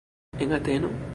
En Ateno?